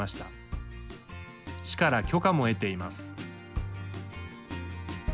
市から許可も得ています。